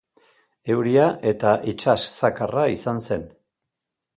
Euria eta itsas zakarra izan zen.